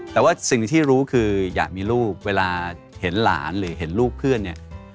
แต่ว่าสิ่งที่รู้คืออยากมีลูกเวลาเห็นหลานหรือเห็นลูกเพื่อนเนี่ย